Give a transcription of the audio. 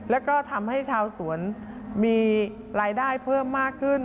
แล้วก็ทำให้ชาวสวนมีรายได้เพิ่มมากขึ้น